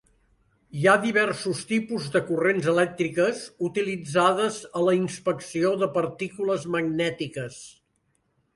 Hi ha diversos tipus de corrents elèctriques utilitzades a la inspecció de partícules magnètiques.